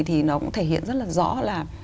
thì nó cũng thể hiện rất là rõ là